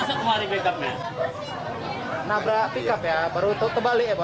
terbalik ya pak